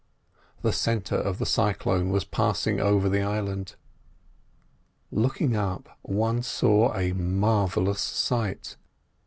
The centre of the cyclone was passing over the island. Looking up, one saw a marvellous sight.